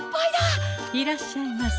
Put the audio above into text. いらっしゃいませ。